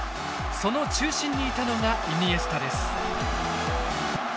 その中心にいたのがイニエスタです。